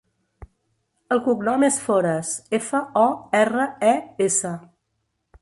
El cognom és Fores: efa, o, erra, e, essa.